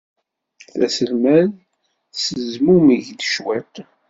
Taselmadt tezmumeg-d cwiṭ.